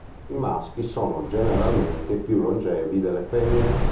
I maschi sono generalmente più longevi delle femmine.